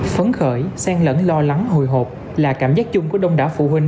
phấn khởi sen lẫn lo lắng hồi hộp là cảm giác chung của đông đảo phụ huynh